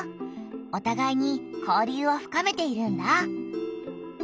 おたがいに交流を深めているんだ。